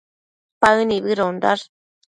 Paë nibëdondash